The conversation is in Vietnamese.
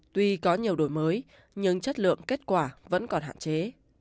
tuy có nhiều đổi mới nhưng chất lượng kết quả vẫn còn hạn chế